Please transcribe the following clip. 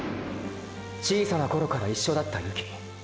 小さな頃から一緒だった雪成。